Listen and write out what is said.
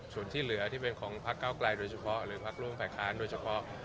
ส่วนที่เหลือที่เป็นของพักเก้าไกลโดยเฉพาะหรือพักร่วมฝ่ายค้านโดยเฉพาะ